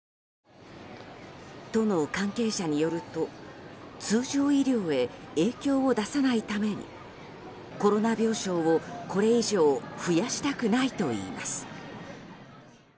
都の関係者によると通常医療に影響を出さないためにコロナ病床をこれ以上増やしたくないといいます。